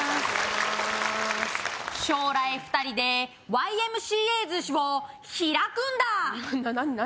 将来２人でＹＭＣＡ寿司を開くんだな何何？